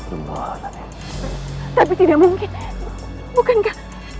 aku harus mencari tempat yang lebih aman